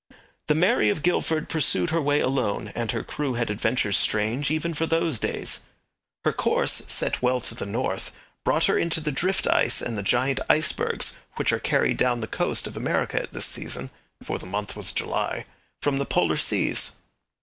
The Mary of Guildford pursued her way alone, and her crew had adventures strange even for those days. Her course, set well to the north, brought her into the drift ice and the giant icebergs which are carried down the coast of America at this season (for the month was July) from the polar seas.